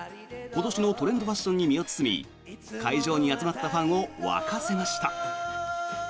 今年のトレンドファッションに身を包み会場に集まったファンを沸かせました。